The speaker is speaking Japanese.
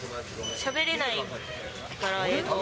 しゃべれないから、英語を。